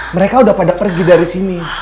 mereka udah pada pergi dari sini